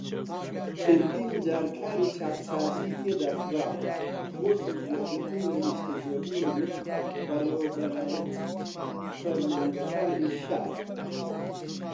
چەندین جار کاری چاکسازیی تیادا کراوە بۆ سوودوەرگرتن لە نیشتەجێبوون و بەڕێوبەرایەتیی فەرمانگەکانی شار